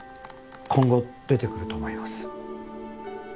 今後出てくると思います